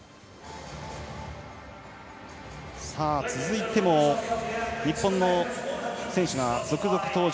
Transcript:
続いても日本の選手が続々登場。